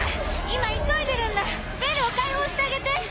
今急いでるんだベルを解放してあげて！